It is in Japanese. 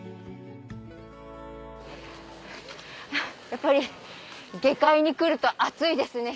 やっぱり下界に来ると暑いですね